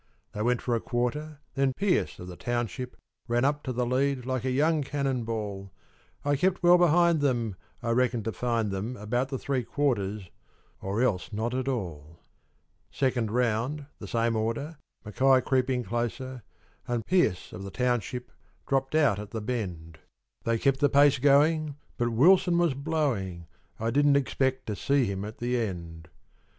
They went for a quarter, then Pearce, of the township, Ran up to the lead like a young cannon ball; I kept well behind them, I reckoned to find them About the three quarters, or else not at all. Second round the same order, Mackay creeping closer, And Pearce, of the township, dropped out at the bend; They kept the pace going, but Wilson was blowing, I didn't expect to see him at the end.